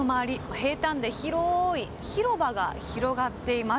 平たんで広い広場が広がっています。